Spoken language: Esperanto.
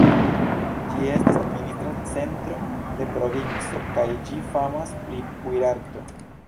Ĝi estas administra centro de provinco kaj ĝi famas pri kuirarto.